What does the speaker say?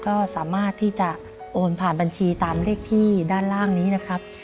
ก็สามารถที่จะโอนผ่านบัญชีตามเลขที่ด้านล่างนี้นะครับ